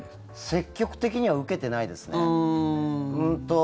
積極的には受けてないですね。